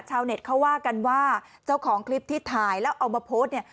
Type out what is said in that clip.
ชาวเน็ตเขาว่ากันว่าเจ้าของคลิปที่ถ่ายแล้วเอามาโพสต์เนี่ย